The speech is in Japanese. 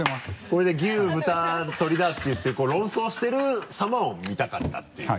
これで牛・豚・鶏だって言って論争してるさまを見たかったっていう。